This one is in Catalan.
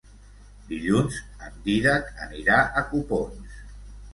Dilluns en Dídac anirà a Copons.